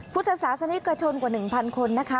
พุทธศาสนิกชนกว่า๑๐๐คนนะคะ